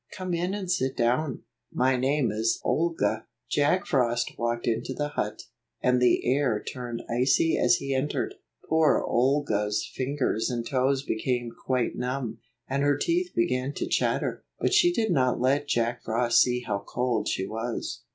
"Come in and sit down. My name is Olga." J ack F rost walked into the hut, and the air turned icy as he entered. Poor Olga's fingers and toes became quite numb, and her teeth began to chat ter. But she did not let Jack Frost see how cold she was.